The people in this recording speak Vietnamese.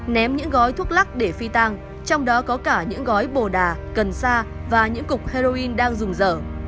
ném những gói thuốc lắc để phi tang trong đó có cả những gói bồ đà cần sa và những cục heroin đang dùng dở